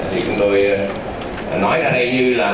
thì chúng tôi nói ra đây như là